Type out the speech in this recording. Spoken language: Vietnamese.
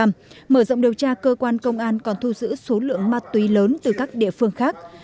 mở rộng điều tra cơ quan công an còn thu giữ số lượng ma túy lớn từ các địa phương khác